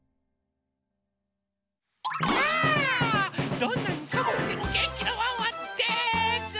どんなにさむくてもげんきなワンワンです！